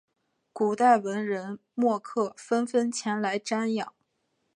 古代文人墨客纷纷前来瞻仰。